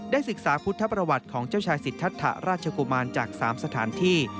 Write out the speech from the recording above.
ศึกษาพุทธประวัติของเจ้าชายสิทธะราชกุมารจาก๓สถานที่